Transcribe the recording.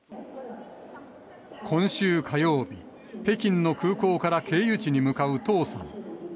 今週火曜日、北京の空港から経由地に向かう唐さん。